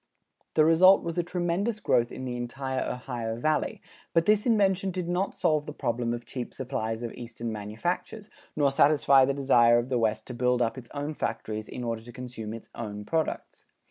The result was a tremendous growth in the entire Ohio Valley, but this invention did not solve the problem of cheap supplies of Eastern manufactures, nor satisfy the desire of the West to build up its own factories in order to consume its own products.